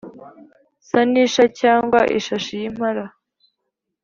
sa n’isha cyangwa ishashi y’impara,